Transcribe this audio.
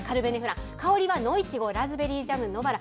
香りは野いちごラズベリージャム、野バラ。